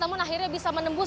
namun akhirnya bisa menembus